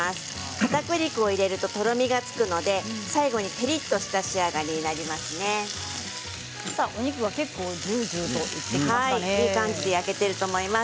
かたくり粉を入れるととろみがつくので最後にてりっとした仕上がりにお肉が結構焼けていると思います。